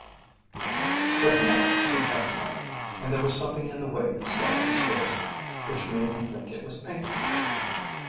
But no, he kept coming, and there was something in the way he sat his horse which made him think it was Pinkey.